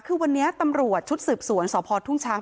คือวันนี้ตำรวจชุดสืบสวนสพทุ่งช้าง